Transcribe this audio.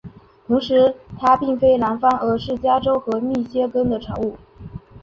同时它并非南方而是加州和密歇根的产物。